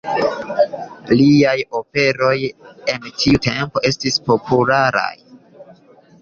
Liaj operoj en tiu tempo estis popularaj.